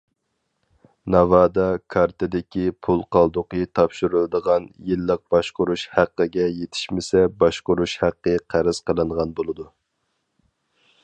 ناۋادا كارتىدىكى پۇل قالدۇقى تاپشۇرىدىغان يىللىق باشقۇرۇش ھەققىگە يېتىشمىسە باشقۇرۇش ھەققى قەرز قىلىنغان بولىدۇ.